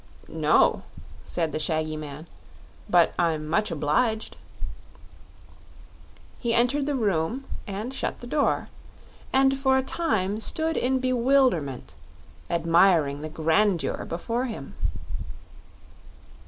"No," said the shaggy man; "but I'm much obliged." He entered the room and shut the door, and for a time stood in bewilderment, admiring the grandeur before him.